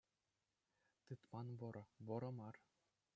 Тытман вӑрӑ — вӑрӑ мар